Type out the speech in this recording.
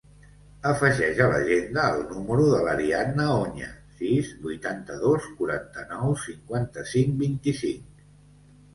Afegeix a l'agenda el número de l'Ariadna Oña: sis, vuitanta-dos, quaranta-nou, cinquanta-cinc, vint-i-cinc.